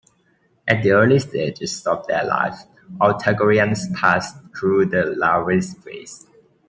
At the early stages of their lives all Tagorians pass through the larvae phase.